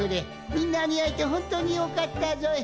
みんなにあえてほんとによかったぞい。